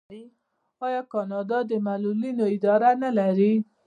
آیا کاناډا د معلولینو اداره نلري؟